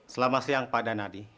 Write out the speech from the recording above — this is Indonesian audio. selamat siang pak danadi